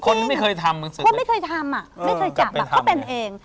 ไม่เคยทำคนไม่เคยทำอ่ะไม่เคยจับก็เป็นเอง